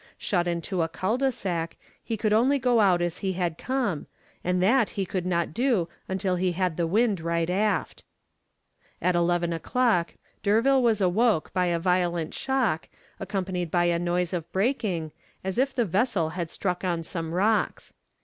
Shut into a cul de sac, he could only go out as he had come, and that he could not do until he had the wind right aft. At eleven o'clock D'Urville was awoke by a violent shock, accompanied by a noise of breaking, as if the vessel had struck on some rocks.